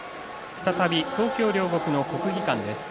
再び東京・両国の国技館です。